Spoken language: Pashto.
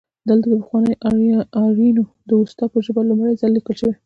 دلته د پخوانیو آرینو د اوستا ژبه لومړی ځل لیکل شوې